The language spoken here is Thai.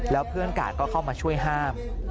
แล้วเพื่อนกาดก็เข้ามาช่วยห้าม